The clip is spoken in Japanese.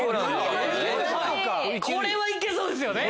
これは行けそうですよね。